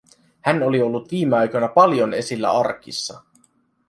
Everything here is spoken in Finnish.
Hän oli ollut viime aikoina paljon esillä arkissa.